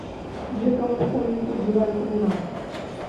یاکم ازکم اس کے گناہ اتنے نہ ہوں۔